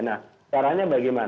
nah caranya bagaimana